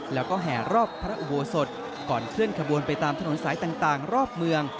แล้วก็แห่รอบพระอุโบสถก่อนเคลื่อนขบวนไปตามถนนสายต่างรอบเมือง